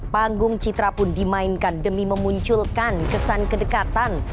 panggung citra pun dimainkan demi memunculkan kesan kedekatan